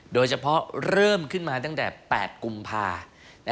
โดยเฉพาะเริ่มขึ้นมาตั้งแต่๘กุมภาคมนะครับ